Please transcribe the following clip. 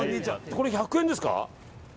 これ１００円ですか？